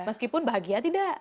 meskipun bahagia tidak